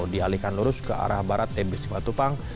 dialihkan lurus ke arah barat tbc matupang